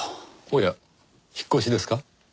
おや引っ越しですか？